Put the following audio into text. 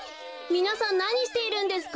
みなさんなにしているんですか？